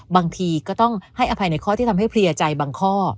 บางทีก็ต้องให้อภัยในข้อที่ทำให้เพลียใจบางข้อ